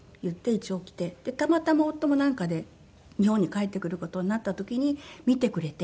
たまたま夫もなんかで日本に帰ってくる事になった時に見てくれて。